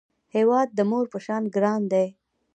هیواد د مور په شان ګران دی